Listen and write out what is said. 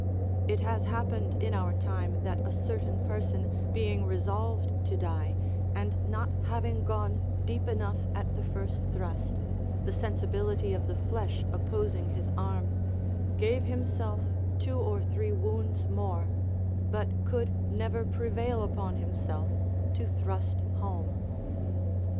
It has happened in our time that a certain person, being resolved to die and not having gone deep enough at the first thrust, the sensibility of the flesh opposing his arm, gave himself two or three wounds more, but could never prevail upon himself to thrust home.